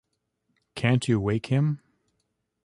Can't you wake him?